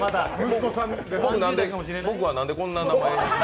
僕は何でこんな名前に？